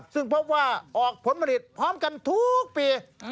ซึ่งพบว่าออกผลผลิตพร้อมกันทุกปี